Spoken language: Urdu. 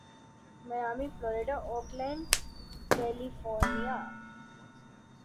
Miami Florida Oakland California